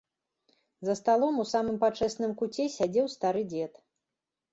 За сталом у самым пачэсным куце сядзеў стары дзед.